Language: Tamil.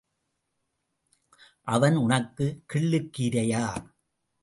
அவன் உனக்குக் கிள்ளுக் கீரையா?